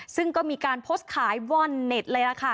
ซึ่งก็มีการโพสต์ขายว่อนเน็ตเลยล่ะค่ะ